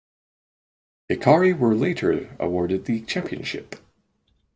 Hekari were later awarded the championship.